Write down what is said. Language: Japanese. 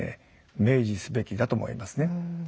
明示すべきだと思いますね。